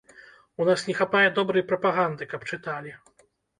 У нас не хапае добрай прапаганды, каб чыталі.